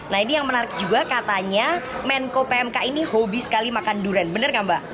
nah ini yang menarik juga katanya menko pmk ini hobi sekali makan durian benar nggak mbak